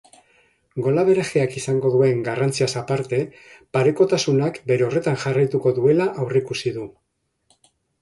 Gol-averageak izango duen garrantziaz aparte parekotasunak bere horretan jarraituko duela aurreikusi du.